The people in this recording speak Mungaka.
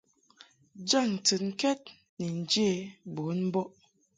Jaŋ ntɨnkɛd ni njě bun mbɔʼ.